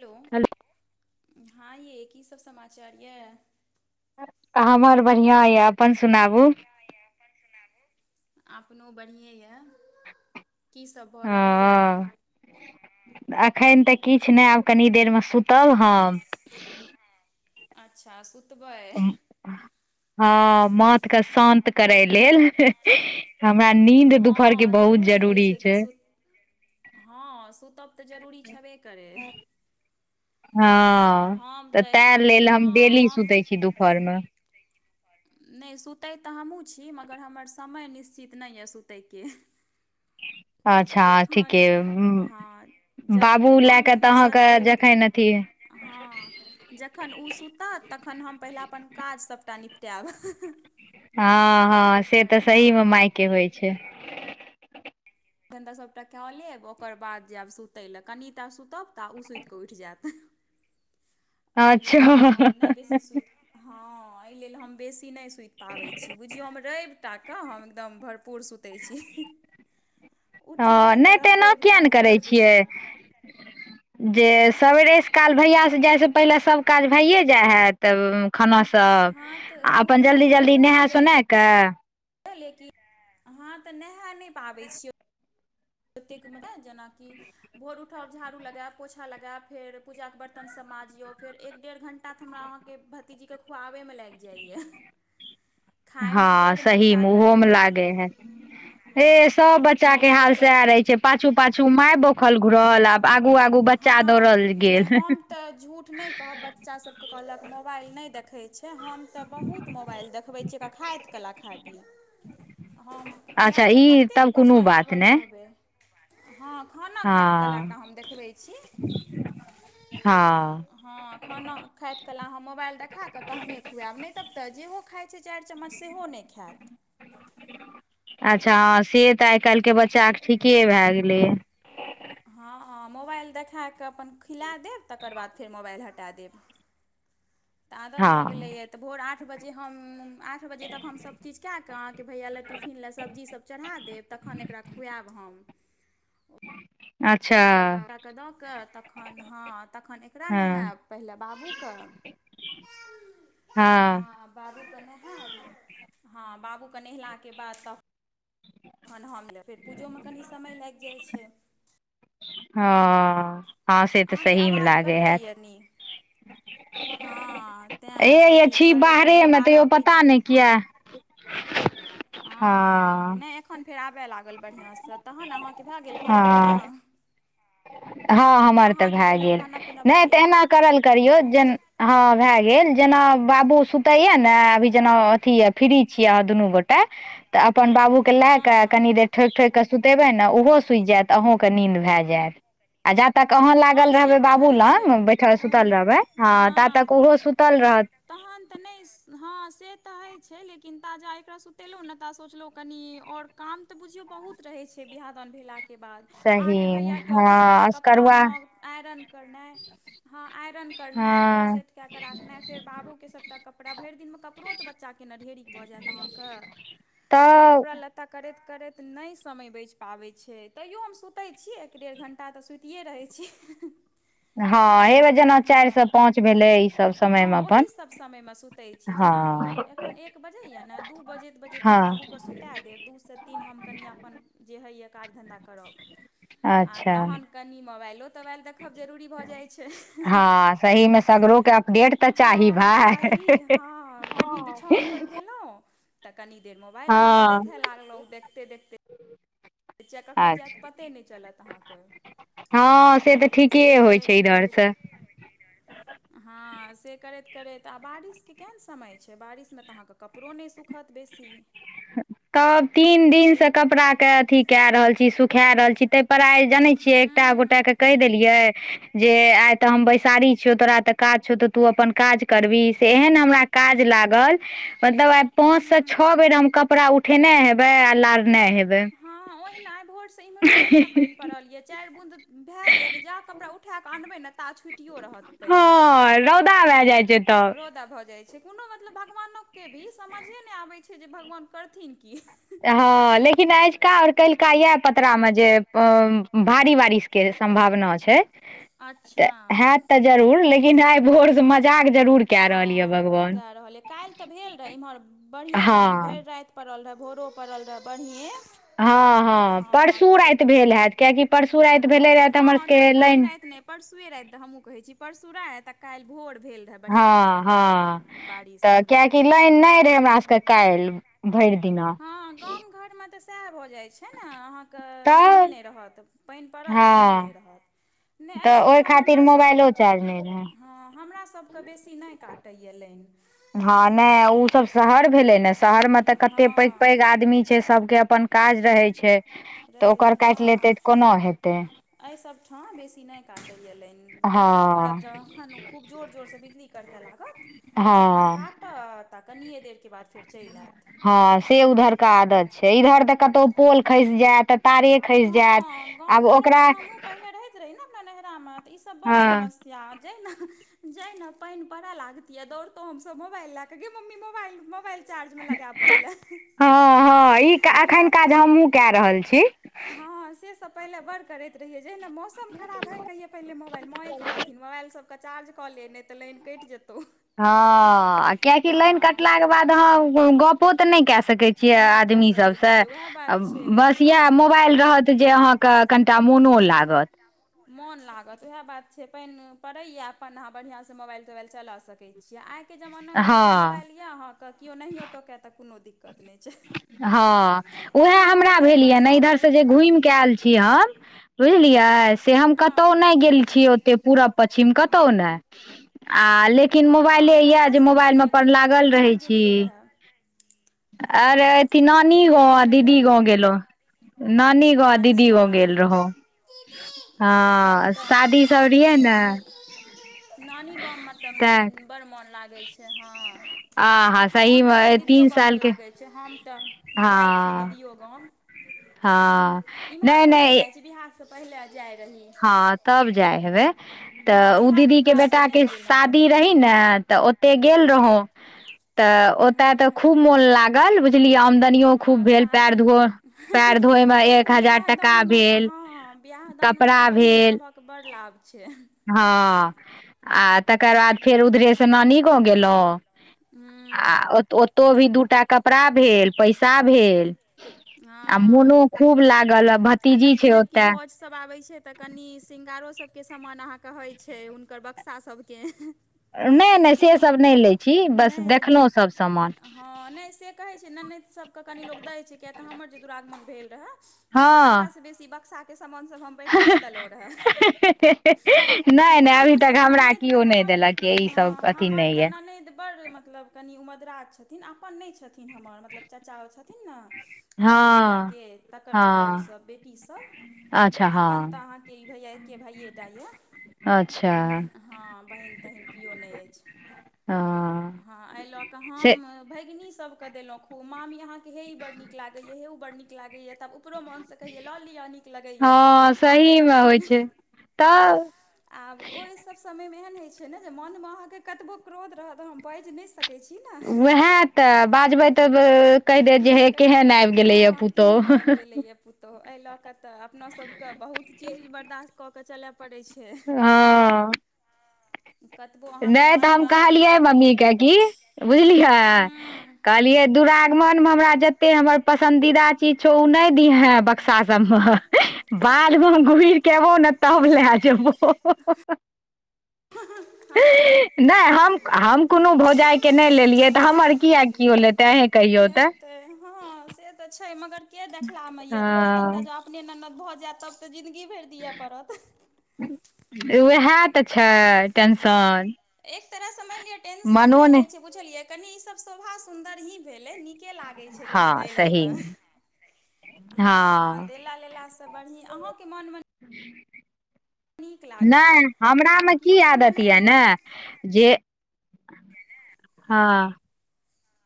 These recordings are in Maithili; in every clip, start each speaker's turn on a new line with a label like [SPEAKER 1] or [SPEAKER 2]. [SPEAKER 1] हेलो हँ ये की सब समाचार यऽ।
[SPEAKER 2] हमर बढ़िआँ यऽ अपन सुनाबू।
[SPEAKER 1] अपनो बढ़िएँ यए। की सब भऽ रहल यऽ।
[SPEAKER 2] अखन तऽ किछु नहि आब कनि देरमे सुतब हम।
[SPEAKER 1] अच्छा सुतबै।
[SPEAKER 2] हँ माथके शान्त करय लेल। हमरा नींद दुपहर के
[SPEAKER 1] हँ
[SPEAKER 2] बहुत
[SPEAKER 1] होइ
[SPEAKER 2] जरूरी
[SPEAKER 1] कि
[SPEAKER 2] छै।
[SPEAKER 1] सुत हँ सुतब तऽ जरूरी छबे करै। आ
[SPEAKER 2] हँ
[SPEAKER 1] हम
[SPEAKER 2] तऽ ते
[SPEAKER 1] एखन
[SPEAKER 2] लेल
[SPEAKER 1] हँ
[SPEAKER 2] हम डेली
[SPEAKER 1] हम
[SPEAKER 2] सुतै छी दुपहरमे।
[SPEAKER 1] नै सुतय तऽ हमहुँ छी मगर हमर समय निश्चित नै यऽ सुतयके।
[SPEAKER 2] अच्छा
[SPEAKER 1] जखन
[SPEAKER 2] ठीके
[SPEAKER 1] हँ
[SPEAKER 2] बाबू लए
[SPEAKER 1] जखन
[SPEAKER 2] कऽ तऽ
[SPEAKER 1] फुुरसत
[SPEAKER 2] अहाँके
[SPEAKER 1] भेट।
[SPEAKER 2] जखन अथी
[SPEAKER 1] हँ। जखन ओ सुतत तखन हम पहिला अपन काज सबटा निपटाब।
[SPEAKER 2] हँ हँ से तऽ सही मे माय के होइ छै।
[SPEAKER 1] एखन तऽ सबटा का लेब ओकर बाद जायब सुतय लए कनिटा सुतब तऽ ओ सुत कऽ उठि जैत। हम नहि बेसी
[SPEAKER 2] अच्छा।
[SPEAKER 1] सुति हँ ऐ लेल हम बेसी नै सुति पाबै छी बुझियौ हम रवि। टा कऽ हम एकदम भरपूर सुतै छी।
[SPEAKER 2] ह
[SPEAKER 1] उठबे
[SPEAKER 2] नै तऽ
[SPEAKER 1] करब
[SPEAKER 2] एना
[SPEAKER 1] रवि कऽ
[SPEAKER 2] किया नै
[SPEAKER 1] हम
[SPEAKER 2] करै
[SPEAKER 1] बड़ बेर
[SPEAKER 2] छियै। जे सवेरे सँ काल भैया जे
[SPEAKER 1] हँ
[SPEAKER 2] जाइ स। पहिले सब काज भइए जाइ हैत तऽ खाना। तऽ
[SPEAKER 1] हँ तऽ
[SPEAKER 2] आ
[SPEAKER 1] ओ तऽ
[SPEAKER 2] अपन
[SPEAKER 1] मानि लिअ
[SPEAKER 2] जल्दी-जल्दी
[SPEAKER 1] भए
[SPEAKER 2] नहा सुना
[SPEAKER 1] जाइए
[SPEAKER 2] क।
[SPEAKER 1] तऽ नैहा नै पाबै छिय। एतेक मुदा जेनाकि। भोर उठब झाड़ू लगाब पोछा लगाब फेर पूजाके बर्तन सब माजियौ फेर एक डेढ़ घंटा। तऽ हमरा आहाँके भतीजीके खुआबै मे लैग जाइय।
[SPEAKER 2] हँ सहीमे ओहोमे लागे हइ।
[SPEAKER 1] हँ
[SPEAKER 2] हे सब बच्चा के हाल
[SPEAKER 1] मोबाइल
[SPEAKER 2] से
[SPEAKER 1] देख
[SPEAKER 2] रहे छै। पाछू- पाछू माय बौखल घूरल आ आगू- आगू बच्चा
[SPEAKER 1] हँ
[SPEAKER 2] दौड़ल
[SPEAKER 1] नहि
[SPEAKER 2] गेल।
[SPEAKER 1] हम तऽ झूठ नै कहब बच्चा सबके कहलक मोबाइल नै देखै छै हम। तऽ बहुत मोबाइल देखबै छियै एक खाइत कला खाली। हम
[SPEAKER 2] अच्छा
[SPEAKER 1] किएक तऽ
[SPEAKER 2] ई तब
[SPEAKER 1] कतेक
[SPEAKER 2] कोनो
[SPEAKER 1] पाछाँ
[SPEAKER 2] बात
[SPEAKER 1] लागल
[SPEAKER 2] नहि
[SPEAKER 1] रहबै। हँ खाना खाइत कला
[SPEAKER 2] हँ
[SPEAKER 1] टाऽ हम देखबै छी।
[SPEAKER 2] हँ।
[SPEAKER 1] हँ खाना खाइत कला हम मोबाइल देखा के तहने खुएब नै तब तऽ जेहो खाइत। पाँच चारि चम्मच सेहो नहि खैत।
[SPEAKER 2] अच्छा से तऽ आइ काल्हिके
[SPEAKER 1] तैँ
[SPEAKER 2] बच्चाके ठीके भए गेलै।
[SPEAKER 1] हँ मोबाइल देखा कऽ अपन खिला देब तकर बाद फेर मोबाइल हटा देब। तऽ आदत भऽ
[SPEAKER 2] हँ
[SPEAKER 1] गेलैए तऽ भोर आठ बजे हम। आठ बजे तक हम सब चीज कए कऽ अहाँके भैया लए टिफिन लए सब्जी सब चढ़ा देब तखन एकरा खुआएब हम।
[SPEAKER 2] अच्छा
[SPEAKER 1] ओकर बाबा के दऽ कऽ तखन हँ तखन एकरा
[SPEAKER 2] हँ
[SPEAKER 1] नेहाब पहिले बाबूके। [inaudible]
[SPEAKER 2] हँ।
[SPEAKER 1] बाबूके नहैब, हँ बाबूके नहेलाके बाद तब तखन हम नहैब फेर पूजोमे कनि समय लागि जाइ छैय।
[SPEAKER 2] हँ, हँ से तऽ
[SPEAKER 1] अहाँके
[SPEAKER 2] सहीमे
[SPEAKER 1] आवाज
[SPEAKER 2] लागै हैत।
[SPEAKER 1] कटैए नि हँ तै सब चीज करैत बुझियौ
[SPEAKER 2] मे तैयो
[SPEAKER 1] बारह
[SPEAKER 2] पता
[SPEAKER 1] बजियै
[SPEAKER 2] नहि
[SPEAKER 1] जैत।
[SPEAKER 2] किया
[SPEAKER 1] हँ नै एखन फेर आबय लागल बढ़िआ सँ तहन अहाँके भए गेल खाना-पीना।
[SPEAKER 2] हँ हँ हमर तऽ भए
[SPEAKER 1] कहलहुँ
[SPEAKER 2] गेल,
[SPEAKER 1] खाना पीना भऽ
[SPEAKER 2] नहि तऽ
[SPEAKER 1] गेल
[SPEAKER 2] एना करल करियौ जेन
[SPEAKER 1] अच्छा
[SPEAKER 2] हँ भए गेल जेना बाबू सुतैया ने
[SPEAKER 1] हँ
[SPEAKER 2] अभी जेना अथी य फ्री छियै आहाँ दुनू गोटा त अपन बाबू के लए क
[SPEAKER 1] हँ
[SPEAKER 2] कनि देर ठोकि- ठोकि कऽ सुतेबै ने ओहो सुति जायत अहूँ के नीन्द भए जायत। आ जब तक अहाँ
[SPEAKER 1] हँ
[SPEAKER 2] लागल
[SPEAKER 1] से
[SPEAKER 2] रहबै
[SPEAKER 1] तऽ
[SPEAKER 2] बाबू
[SPEAKER 1] होइ
[SPEAKER 2] लग
[SPEAKER 1] छै
[SPEAKER 2] बैठल
[SPEAKER 1] ओहिना
[SPEAKER 2] सुतल रहबै ह ता
[SPEAKER 1] हँ
[SPEAKER 2] तक ओहो सुतल रहत।
[SPEAKER 1] तहन तऽ नै हँ से तऽ होइ छैय लेकिन ताजा एकरा सुतेलहुँ नै ता सोचलहुँ कनि और काम तऽ बुझियौ बहुत रहै छैय बियाह दान भेला के बाद। आहाँ
[SPEAKER 2] सही
[SPEAKER 1] के भैया के
[SPEAKER 2] हँ
[SPEAKER 1] ऑफिस वाला कपड़ा
[SPEAKER 2] असकरुआ
[SPEAKER 1] म आयरन करनै हँ आयरन करनैय ओकरा
[SPEAKER 2] हँ
[SPEAKER 1] सेट कऽ के रखनैय फेर बाबूके सबटा कपड़ा भैर दिनमे कपड़ो त बच्चाके न ढेरी भ जेत आहाँके त
[SPEAKER 2] तऽ
[SPEAKER 1] कपड़ा लत करैत -करैत नैय समय बैच पाबै छैय तैयो हम सुतेै छि एक डेढ़ घंटा तऽ सुइते रहै छी।
[SPEAKER 2] हँ हेबे
[SPEAKER 1] कनिटा
[SPEAKER 2] जेना चैर
[SPEAKER 1] हँ
[SPEAKER 2] सँ पाँच भेलै इ सब समयमे अपन।
[SPEAKER 1] समय मे सुतै जेनाकि
[SPEAKER 2] हँ
[SPEAKER 1] एखेन एक बजै या ने दु बजैत-बजैत हम
[SPEAKER 2] हँ
[SPEAKER 1] बाबुके सुतादेब दु से तीन हम कनिया अपन जे होय या काज धंन्धा करब। आ
[SPEAKER 2] आच्छा।
[SPEAKER 1] तहन कनि मोबाइलो तोबाइल देखब जरूरी भऽ जाय छैय।
[SPEAKER 2] हँ सहीमे सगरो के अपडेट तऽ चाही
[SPEAKER 1] हँ
[SPEAKER 2] भाय
[SPEAKER 1] चाही हँ कनि बिछौन पर गेलौं तऽ कनी देर मोबाइल आहाँके
[SPEAKER 2] हँ
[SPEAKER 1] देखे लागलौ देखते- देखते [unintelligible] जायत
[SPEAKER 2] अच्छा
[SPEAKER 1] पते नैय चलत आहाँके।
[SPEAKER 2] हँ से तऽ ठीके होय छैय [unintelligible]
[SPEAKER 1] करैत
[SPEAKER 2] सँ।
[SPEAKER 1] हँ से करैत -करैत आ बारिशके केहन समय छैय बारिशमे तऽ आहाँके कपड़ो नैय सुखत बेसी।
[SPEAKER 2] तब तीन दिन
[SPEAKER 1] एक
[SPEAKER 2] सँ कपड़ाके अथी कए रहल छी सुखा रहल छी तैय पर आय जनै छियै टा
[SPEAKER 1] बैसारी
[SPEAKER 2] गोटा
[SPEAKER 1] हँ
[SPEAKER 2] के कैह देलियै जे आय तऽ हम बैसारी छियौ तोरा तऽ काज छौ तऽ तू अपन काज करबीही से एहन हमरा काज लागल मतलब आय पाँच से
[SPEAKER 1] तोरा
[SPEAKER 2] छ बेर हम कपड़ा उ ठेने हेबै आ लारने हेबै।
[SPEAKER 1] हँ ओहिना आय भोरसँ इम्हरो ओहिना पैन पड़ल यए चैर बूँद भए जायत जहां कपड़ा उठाकऽ अनबै ने ता छुटियो रहत। पानि
[SPEAKER 2] हँ
[SPEAKER 1] मतलब
[SPEAKER 2] रौदा भए जाय छैय तब।
[SPEAKER 1] रौदा भ जाय छैय। कोनो मतलब भगवानोके भी समझे नैय आबै छैय जे भगवान करथिन की।
[SPEAKER 2] हँ लेकिन अैजका और कैल्का यैह पतरामे जे भारी बारिश के संम्भावना छैय। त
[SPEAKER 1] अच्छा
[SPEAKER 2] हैत त जरूर लेकिन आय भोरसँ मजाक जरूर कए रहल या भगवान।
[SPEAKER 1] कैल्ह तऽ भेल रहय। इम्हर बढ़ियें
[SPEAKER 2] हँ
[SPEAKER 1] पैन भैर रैत पड़ल रहए। भोरो पड़ल रहए बढ़िए।
[SPEAKER 2] हँ-हँ परसू रैत भेल। हेऽत किएकि परसू रैत भेल रहे। तऽ हमर सब
[SPEAKER 1] हँ
[SPEAKER 2] के
[SPEAKER 1] नहि काल्हि
[SPEAKER 2] लाइट
[SPEAKER 1] राति नहि परसुए रैत। त हमहुं कहेै छी। परसु रैत आ कैल्ह भोर भेल। रहै बढ़िआँसँ
[SPEAKER 2] हँ-हँ
[SPEAKER 1] बारिश
[SPEAKER 2] तऽ
[SPEAKER 1] इम्हरो
[SPEAKER 2] कियकी लाइन नैय रहै। हमरा सब के कैल्ह। भैर दिन।
[SPEAKER 1] हँ गाम घर मे तऽ सएह भऽ जाय छै। ने आहाँ के लाइने
[SPEAKER 2] तऽ
[SPEAKER 1] नैय रहत। पैन पड़त लाइने
[SPEAKER 2] हँ
[SPEAKER 1] नैय रहत। नहि एहि
[SPEAKER 2] तऽ ओय
[SPEAKER 1] सभठाम
[SPEAKER 2] खातिर
[SPEAKER 1] हमरासभके
[SPEAKER 2] मोबाइलो चार्ज नैय।
[SPEAKER 1] हँ हमरा सब के बेसी नैय काटैया लैइन।
[SPEAKER 2] हँ नैय ओ सब शहर भेले। ने शहर मे तऽ कते
[SPEAKER 1] हँ
[SPEAKER 2] पैघ-पैघ आदमी छै। सबके अपन काज रहेै छैय। तऽ ओकर कैट लेतेै तऽ कोना हेतै।
[SPEAKER 1] एहिसब ठाँ बेसी नैय काटत लैइन। कटबो करत
[SPEAKER 2] हँ
[SPEAKER 1] ज एखन खूब जोर जोर सँ बिजली करकऽ लागत। तखन
[SPEAKER 2] हँ
[SPEAKER 1] काट तऽ कनिये देर के बाद फेर चैल। एऽत
[SPEAKER 2] हँ से उधर के आदत छैय। इधर तऽ कतौ पोल खैस जेऽत तारे खसि जायत
[SPEAKER 1] हँ गाम
[SPEAKER 2] आब
[SPEAKER 1] घरमे
[SPEAKER 2] ओकरा
[SPEAKER 1] हमहुँ पहिने रहैत। रही ने अपरा नैहरा मे तऽ ईसब बड़
[SPEAKER 2] हँ
[SPEAKER 1] समस्य [unintelligible] जाय ने पानि पड़य लागतिये। दौड़तो हमसभ मोबाइल लए। क गे मम्मी मोब मोबाइल चार्जमे लगेब पहिेने।
[SPEAKER 2] हँ हँ ई एखन काज हमहुँ कए रहल छी।
[SPEAKER 1] हँ से सब पहिले बड़ करैत। हिए जेहि मौसम खराब भए। कहिय पहिने मोबाइल माँए कहि देथिन। मोबाइल सब चार्ज कऽ ले नहि तऽ लाइन कटि जेतौ।
[SPEAKER 2] हँ किियकि लाइन
[SPEAKER 1] हँ
[SPEAKER 2] कटलाके। बाद अहाँ गप गप्पो तो कहां नहिकै। सके
[SPEAKER 1] नहि कए
[SPEAKER 2] आदमी सब
[SPEAKER 1] सकै
[SPEAKER 2] स
[SPEAKER 1] छियै उएह बात छै
[SPEAKER 2] बस
[SPEAKER 1] आ
[SPEAKER 2] मैं मोबाइल रहत। जे अहाँके कनिटा मोनो लागत।
[SPEAKER 1] मोन लागत उएह बात छै। पानि पड़ैए अपन अहाँ बढ़िआँसँ मोबाइल तोबाइल चला सकैत छीिय। आइ आ के जमाना मे तऽ एकटा
[SPEAKER 2] हँ
[SPEAKER 1] मोबाइल यऽ अहाँके केओ नहियोटोकए तऽ कोनो दिक्कत नहि छै।
[SPEAKER 2] हँ उएहे हमरा भेल।
[SPEAKER 1] मोबाइलेपर
[SPEAKER 2] ये ने इधर
[SPEAKER 1] सभके
[SPEAKER 2] से जे घुमि के आयल छी। हम बुझलियै से हम
[SPEAKER 1] हँ
[SPEAKER 2] कतहु नहि गेल छियै। ओतेक पूरा प कहु ने आ लेकिन मोबाइले
[SPEAKER 1] हँ
[SPEAKER 2] या जे
[SPEAKER 1] कतयसँ
[SPEAKER 2] मोबाइल
[SPEAKER 1] एलियै
[SPEAKER 2] मे
[SPEAKER 1] यए
[SPEAKER 2] अपन
[SPEAKER 1] घुमि कऽ
[SPEAKER 2] लागल रहे
[SPEAKER 1] कुम्हर
[SPEAKER 2] छी।
[SPEAKER 1] गेलियै रहए
[SPEAKER 2] अरे
[SPEAKER 1] हँ
[SPEAKER 2] अथ
[SPEAKER 1] कुम्हर
[SPEAKER 2] नानी
[SPEAKER 1] गेलियै
[SPEAKER 2] गाँव आ
[SPEAKER 1] घुमय
[SPEAKER 2] दीदी
[SPEAKER 1] लए
[SPEAKER 2] गाँव गेलहु। नानी गाँव गो दीदी
[SPEAKER 1] अच्छा
[SPEAKER 2] गो गेल रहौ।
[SPEAKER 1] तब
[SPEAKER 2] हँ
[SPEAKER 1] तऽ
[SPEAKER 2] शादीसभ रहै ने।
[SPEAKER 1] नानी गाममे तऽ
[SPEAKER 2] तैं
[SPEAKER 1] बड़ मोन लागै छै। हँ
[SPEAKER 2] हा
[SPEAKER 1] आ मोन तऽ फेर
[SPEAKER 2] सहीमे
[SPEAKER 1] दीदिओ
[SPEAKER 2] तीन
[SPEAKER 1] गाममे
[SPEAKER 2] साल के
[SPEAKER 1] लागैत छै। हम तऽ जाइत छी।
[SPEAKER 2] हँ
[SPEAKER 1] दीदिऔगाम इम्हर तऽ नहि जाइत छी। बिहारसँ पहिले जाइ रही।
[SPEAKER 2] हँ तब जाय हेबे। तऽ
[SPEAKER 1] हँ
[SPEAKER 2] ओ
[SPEAKER 1] बिआहके
[SPEAKER 2] दीदी के
[SPEAKER 1] बाद
[SPEAKER 2] बेटा
[SPEAKER 1] नहि
[SPEAKER 2] के
[SPEAKER 1] गेलहुँ यए
[SPEAKER 2] शादी रही। ने तऽ ओते गेल रहौ। तऽ ओतय तऽ खूब
[SPEAKER 1] हँ
[SPEAKER 2] मोन लागल बुझलियै। आमदनियो खूब भेल। पयर धो पयर धोय मे एक हजार
[SPEAKER 1] बिआाह
[SPEAKER 2] टाका
[SPEAKER 1] दानमे तऽ
[SPEAKER 2] भेल
[SPEAKER 1] हँ बि दानमे
[SPEAKER 2] कपड़ा
[SPEAKER 1] तऽ बहिन
[SPEAKER 2] भेल
[SPEAKER 1] सभक बड़ लाभ छै।
[SPEAKER 2] हँ आ तकर बाद फेर उधरेसँ नानी गाँंव गेलहुँ। आ
[SPEAKER 1] हँ
[SPEAKER 2] ओतौ भी दू टा कपड़ा भेल पैसा भेल। आ
[SPEAKER 1] हँ
[SPEAKER 2] मोनो खूब लागल ह भतीजी छै ओते।
[SPEAKER 1] सभ आबै छै तऽ कनि श्रृंगारो सभके समान अहाँके होइ छै हुनकर बक्सा सभके।
[SPEAKER 2] नहि नहि सेसभ नहि लै छी बस देखलहुँ सभ सामान।
[SPEAKER 1] हँ नहि से कहै छै ननेद सभके कनी लोग दै छै किय तऽ हमर जे दुरागमन भेल रहए तऽ हमर
[SPEAKER 2] हँ
[SPEAKER 1] आधासँ बेसी बक्साके सामानसभ हम बैटिए देलहुँ रहे।
[SPEAKER 2] नहि नहि अभी
[SPEAKER 1] भेगनी
[SPEAKER 2] तक
[SPEAKER 1] सब
[SPEAKER 2] हमरा
[SPEAKER 1] ननैद त
[SPEAKER 2] केओ नहि
[SPEAKER 1] हमर
[SPEAKER 2] देलक य ई
[SPEAKER 1] ह
[SPEAKER 2] सब अथी
[SPEAKER 1] हमर
[SPEAKER 2] नहि
[SPEAKER 1] तऽ
[SPEAKER 2] य
[SPEAKER 1] ननैद बड्ड मतलब कनि उमर दराज छथिन अपन नहि छथिन हमर मतलब चाचा ओ छथिन ने अहाँके भैया
[SPEAKER 2] हँ
[SPEAKER 1] के तकर पुतहु
[SPEAKER 2] हँ
[SPEAKER 1] सभ बेटी सभ
[SPEAKER 2] अच्छा हँ
[SPEAKER 1] अपन तऽ अहाँके ई भैया एके भाइयेटा ये।
[SPEAKER 2] अच्छा
[SPEAKER 1] हँ बहीन तहीन किओ नहि अछि।
[SPEAKER 2] हँ
[SPEAKER 1] हाँ ऐ ल क
[SPEAKER 2] से
[SPEAKER 1] हम भैगिनी सब के देलों खूब मामी अहा के हे ई बड़ नीक लागे या हे उ बड़ड नीक लागे ये। तब ऊपरो मोनसँ कहियै लऽ लिअ नीक लगैया तऽ अपन उठा लैत रहथिन।
[SPEAKER 2] तब
[SPEAKER 1] आब ओहिसभ समयमे एहन होइत छै ने जे मोनमे अहाँके कतबो क्रोध रहत हम बाजि नहि सक
[SPEAKER 2] उएह तऽ बाजबै तब कहि देत जे हे
[SPEAKER 1] कनि
[SPEAKER 2] केहन आबि गेलै ये
[SPEAKER 1] हँ केहन
[SPEAKER 2] पुतोह।
[SPEAKER 1] आबि गेलैए पुतहु एहि लऽ कऽ तऽ अपना सभके बहुत चीज बर्दाश्त कऽ के चलय पड़ै छै।
[SPEAKER 2] हँ
[SPEAKER 1] कतबो अहाँके
[SPEAKER 2] नहि तऽ हम
[SPEAKER 1] मोनमे
[SPEAKER 2] कहलियै
[SPEAKER 1] कत
[SPEAKER 2] मम्मीके की बुझलियै
[SPEAKER 1] हँ
[SPEAKER 2] कहलिये दुरागमन मे हमरा जते हमर पसन्दीदा चीज छौ उ नहि दीहे सा सबमे बाद मे
[SPEAKER 1] हँ
[SPEAKER 2] घुर के एबो ने तब लए जेबो।
[SPEAKER 1] [unintelligible]
[SPEAKER 2] नहि हम हम कोनो भौजाइके नहि लेलियै तऽ हमर किए किओ लेतै अही
[SPEAKER 1] लेते हँ से तऽ छै मगर के देखला में ये दू टा
[SPEAKER 2] हँ
[SPEAKER 1] तीनटा ज [unintelligible] अपने ननद भऽ जाई तब तऽ जिन्दगी भरि दिये पड़त।
[SPEAKER 2] उएह तऽ छै। टेंशन
[SPEAKER 1] एक तरहसँ मानि लिअ टेंशन नहि होइ छै? बुझलिये कनी ई सब शोभा सुंदर ही भेले निके लागे छै। [unintelligible]
[SPEAKER 2] हँ
[SPEAKER 1] तब
[SPEAKER 2] सहीमे हँ
[SPEAKER 1] बढ़िए आहाके मन में लागत
[SPEAKER 2] नहि
[SPEAKER 1] आ
[SPEAKER 2] हमरामे
[SPEAKER 1] केओ
[SPEAKER 2] की
[SPEAKER 1] केओ
[SPEAKER 2] आदत ये
[SPEAKER 1] ननैदो
[SPEAKER 2] ने जे हँ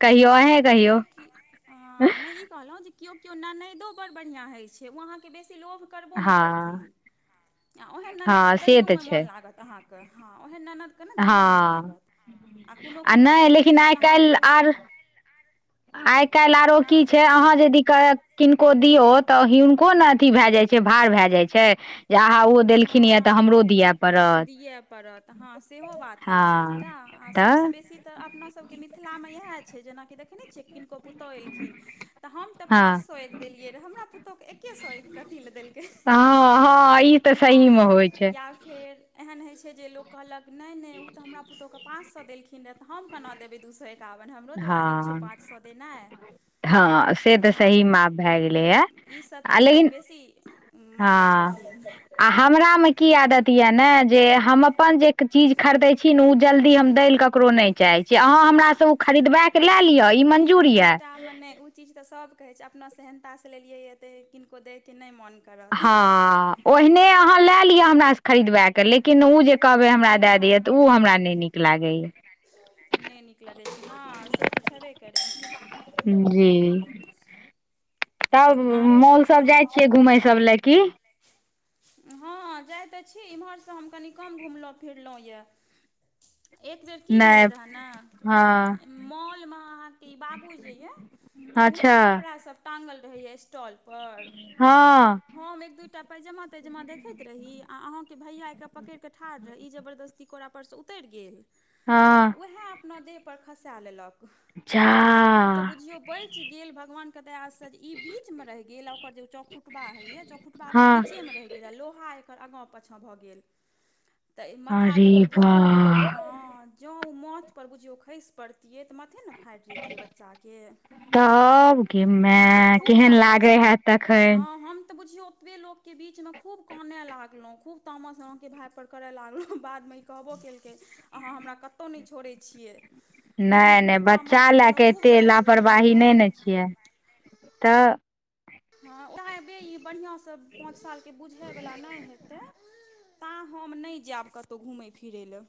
[SPEAKER 2] कहियो
[SPEAKER 1] कियो की ह नहि कहलहुँ जे केओ केओ ननैदो बड़ बढ़ियां हो छै ओ अहाँके बेसी लोभ करबो ने
[SPEAKER 2] हँ
[SPEAKER 1] करथिन, ओहन ननेद
[SPEAKER 2] हँ
[SPEAKER 1] के
[SPEAKER 2] से
[SPEAKER 1] देयो
[SPEAKER 2] तऽ
[SPEAKER 1] में मन
[SPEAKER 2] छै
[SPEAKER 1] लागत आहाके। क हँ ओहेन ननद
[SPEAKER 2] हँ आ
[SPEAKER 1] कोनो
[SPEAKER 2] नहि
[SPEAKER 1] ननदि
[SPEAKER 2] लेकिन
[SPEAKER 1] भेलै जे
[SPEAKER 2] आइ काल्हि
[SPEAKER 1] अहाँके
[SPEAKER 2] आर आइ काल्हि आरो की
[SPEAKER 1] हँ
[SPEAKER 2] छै अहाँ जेदी किनको दियो तऽ हिनको ने अथी भए जाइ छै भार भए जाइ छै? जे अहाँ ओ देलखिन यए तऽ
[SPEAKER 1] हँ
[SPEAKER 2] हमरो दिअ पड़त
[SPEAKER 1] दिअ पड़त हँ सेहो बात होइत छै
[SPEAKER 2] हँ
[SPEAKER 1] एकटा आ सभसँ
[SPEAKER 2] तऽ
[SPEAKER 1] बेसी तऽ अपनासभके मिथिलामे इएह छै जेनाकि देखे ने छियै किनको पुतोहू एलखिन त हम ते पांच
[SPEAKER 2] हँ
[SPEAKER 1] सौ देलिये रहे हमरा पुतोहू के एके सौ कथि ले देलके।
[SPEAKER 2] हँ हँ ई तऽ सहीमे होइ
[SPEAKER 1] हँ
[SPEAKER 2] छै
[SPEAKER 1] या फेर एहन होइ छै। जे लोक कहलक नहि नहि ओ तऽ हमरा पुतहु हके? पाँच शो देलखिन रहए। तऽ हम केना देबै दू सए एकावन हमरो तऽ
[SPEAKER 2] हँ
[SPEAKER 1] वजीब छै। पाँच सए देनाइ
[SPEAKER 2] [inaudible]
[SPEAKER 1] ईस
[SPEAKER 2] आ
[SPEAKER 1] चीज लोकोग
[SPEAKER 2] लेकिन
[SPEAKER 1] बेसी
[SPEAKER 2] हँ
[SPEAKER 1] मानै छथिन।
[SPEAKER 2] आ हमरामे की आदत यए ने। जे हम अपन जे चीज खरीदै छी। ने ओ जल्दी हम दै लए ककरो नहि चाहै छी। अहाँ
[SPEAKER 1] हँ
[SPEAKER 2] हमराँ खरीदबैके लए लिअ ई मञ्जूर यऽ।
[SPEAKER 1] मे नहि ओ चीज तऽ सभ कहै छै। अपना सहनताासँ लेलियै। ह तऽ किनको दैके नहि मोन करत।
[SPEAKER 2] ओहिहने अहाँ ले लिअ हमरा से खरीदबा के लेकिन। कहबे हमरा दय
[SPEAKER 1] हँ
[SPEAKER 2] दैया। तऽ ओ हमरा नहि नीक लागैया।
[SPEAKER 1] नहि निकल दै छै। हँ से तऽ छेबे करै।
[SPEAKER 2] जी तब
[SPEAKER 1] आरो
[SPEAKER 2] मॉल
[SPEAKER 1] सभ
[SPEAKER 2] सब जाइ
[SPEAKER 1] तहन
[SPEAKER 2] छियै। घूमय सब लए की?
[SPEAKER 1] हँ जाइत तऽ छी। इम्हरसँ हम कनि कम घुमलहुँ फिरलहुँ यए। एक बेेर की
[SPEAKER 2] नहि
[SPEAKER 1] भेल रह ने।
[SPEAKER 2] हँ
[SPEAKER 1] मॉलमे अहाँके ई बाबू जे यए। ओ नहि
[SPEAKER 2] अच्छा
[SPEAKER 1] कपड़ासभ ट गल रहैए। स्टॉल पर?
[SPEAKER 2] हँ
[SPEAKER 1] हम एक दूटा पैजामा तैजामा देखैत रही। आ अहं के भैया के पकड़ के ठाढ़ रही इ जबरदस्त। कोोड़ परसँ उतरि गेल। आ
[SPEAKER 2] हँ
[SPEAKER 1] उएह अपना देह पर खसा लेलक।
[SPEAKER 2] जा
[SPEAKER 1] ओ तऽ बुझियौ बच गेल। भगवान के दया ई बीच मे रहि गेल। ओकर जे चौखुटबा हे य चौखुटबा के ई
[SPEAKER 2] हँ
[SPEAKER 1] बीचे में रहि।
[SPEAKER 2] अरे
[SPEAKER 1] [unintelligible]
[SPEAKER 2] वाह
[SPEAKER 1] हँ जँं ओ माछ परर बुझियौ। खसि पड़तै। फतियै तऽ मथे ने फाटि जैतियै। बच्चाके
[SPEAKER 2] तब गे
[SPEAKER 1] हम तऽ
[SPEAKER 2] माय
[SPEAKER 1] खूब
[SPEAKER 2] केहन
[SPEAKER 1] तामस
[SPEAKER 2] लागे हैत
[SPEAKER 1] हँ
[SPEAKER 2] तखन
[SPEAKER 1] हम तऽ बुझियौ। ओतबे लो के बीच में खूब कानय लागलहुं। खूब तामस अहाँके भाय पर करे लागलहुं। बाद मे ई कहबो केल। के अहाँ हमरा कतहु नहि छोड़ै छियै। हम
[SPEAKER 2] नहि नहि
[SPEAKER 1] खूब
[SPEAKER 2] बच्चा
[SPEAKER 1] तामस
[SPEAKER 2] लए
[SPEAKER 1] केलहुँ
[SPEAKER 2] कऽ
[SPEAKER 1] खूब
[SPEAKER 2] एतेक
[SPEAKER 1] डरि गेलहुँ
[SPEAKER 2] लापरवाही नहि ने
[SPEAKER 1] हम
[SPEAKER 2] छियै। तऽ
[SPEAKER 1] हँ ओएब ई बढ़िआँसँ पाँच सालके बुझैवला नहि हेतै। ता हम नहि जायब कतहु घुमय फिरै लेलए।